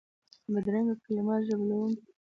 بدرنګه کلمات ژوبلونکي وي